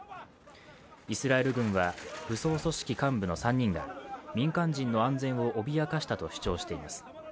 イスラエル軍は武装組織幹部の３人が民間人の安全を脅かしたと主張しています。